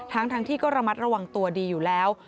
ทั้งที่ก็ระมัดระวังตัวดีอยู่แล้ว